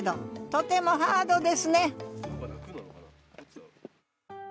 とてもハードですね